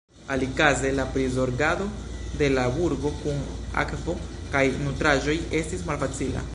Alikaze la prizorgado de la burgo kun akvo kaj nutraĵoj estis malfacila.